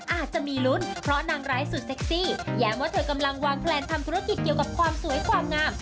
อาจจะมีลุ้นเพราะนางร้ายสุดเซ็กซี่แย้มว่าเธอกำลังวางแพลนทำธุรกิจเกี่ยวกับความสวยความงาม